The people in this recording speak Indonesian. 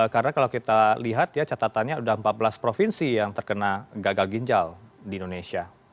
karena kalau kita lihat ya catatannya sudah empat belas provinsi yang terkena gagal ginjal di indonesia